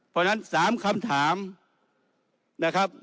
เพราะฉะนั้น๓คำถามนะครับ